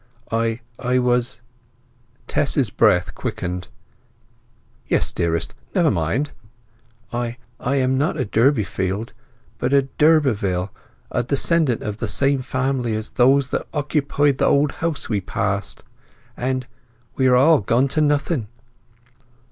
I—I was—" Tess's breath quickened. "Yes, dearest. Never mind." "I—I—am not a Durbeyfield, but a d'Urberville—a descendant of the same family as those that owned the old house we passed. And—we are all gone to nothing!"